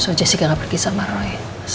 soal jessica gak pergi sama roy